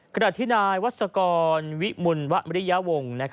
ขณะที่นายวัศกรวิมลวะมริยาวงศ์